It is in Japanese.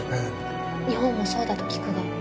「日本もそうだと聞くが」。